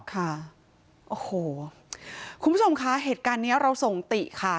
ค่ะโอ้โหคุณผู้ชมคะเหตุการณ์นี้เราส่งติค่ะ